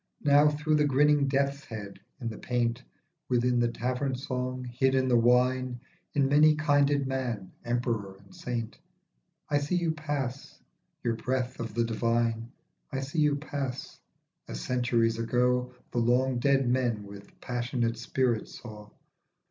Now through the grinning death's head in the paint, Within the tavern song, hid in the wine, In many kinded man, emperor and saint, I see you pass, you;.breath of the divine. I see you pass, as centuries ago The long dead men with passionate spirit saw.